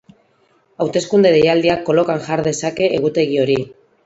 Hauteskunde deialdiak kolokan jar dezake egutegi hori.